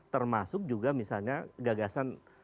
termasuk juga misalnya gagasan